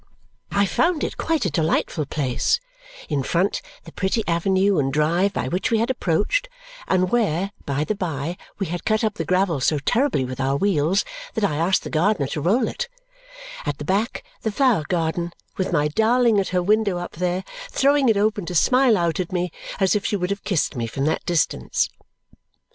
I found it quite a delightful place in front, the pretty avenue and drive by which we had approached (and where, by the by, we had cut up the gravel so terribly with our wheels that I asked the gardener to roll it); at the back, the flower garden, with my darling at her window up there, throwing it open to smile out at me, as if she would have kissed me from that distance.